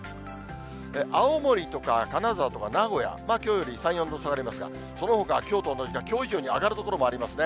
青森とか金沢とか名古屋、きょうより３、４度下がりますが、そのほかはきょうと同じかきょう以上に上がる所もありますね。